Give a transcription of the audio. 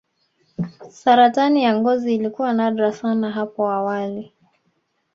saratani ya ngozi ilikuwa nadra sana hapo awali